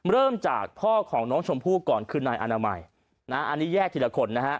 เริ่มจากพ่อของน้องชมพู่ก่อนคือนายอนามัยอันนี้แยกทีละคนนะฮะ